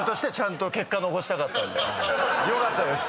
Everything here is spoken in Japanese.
よかったです。